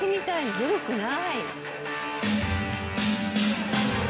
古くない。